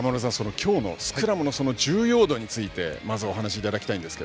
今日のスクラムの重要度についてまずお話いただきたいんですが。